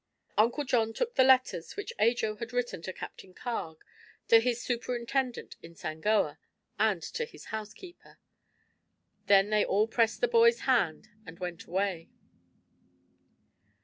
Uncle John took the letters which Ajo had written to Captain Carg, to his superintendent in Sangoa and to his housekeeper. Then they all pressed the boy's hand and went away.